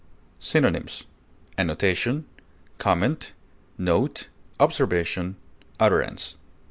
Synonyms: annotation, comment, note, observation, utterance.